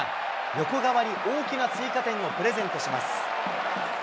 横川に大きな追加点をプレゼントします。